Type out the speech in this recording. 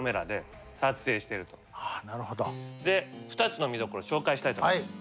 ２つの見どころ紹介したいと思います。